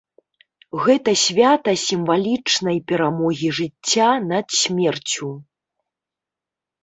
Гэта свята сімвалічнай перамогі жыцця над смерцю.